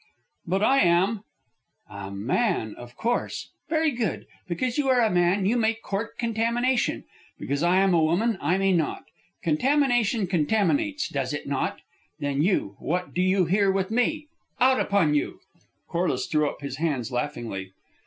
"But I am " "A man, of course. Very good. Because you are a man, you may court contamination. Because I am a woman, I may not. Contamination contaminates, does it not? Then you, what do you here with me? Out upon you!" Corliss threw up his hands laughingly.